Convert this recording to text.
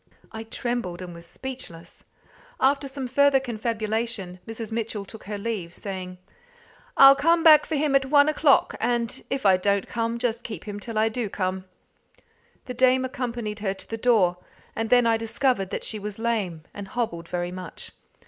I trembled, and was speechless. After some further confabulation, Mrs. Mitchell took her leave, saying "I'll come back for him at one o'clock, and if I don't come, just keep him till I do come." The dame accompanied her to the door, and then I discovered that she was lame, and hobbled very much.